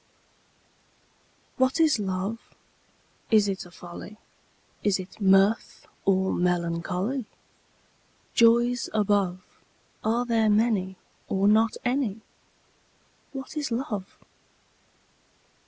WHAT is Love? Is it a folly, Is it mirth, or melancholy? Joys above, Are there many, or not any? What is Love?